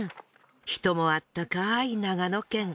人もあったかい長野県。